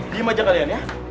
diam aja kalian ya